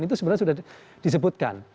itu sebenarnya sudah disebutkan